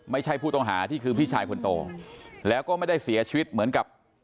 ไม่ใช่ผู้ต้องหาที่คือพี่ชายคนโตแล้วก็ไม่ได้เสียชีวิตเหมือนกับ